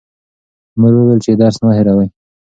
مور وویل چې درس مه هېروه.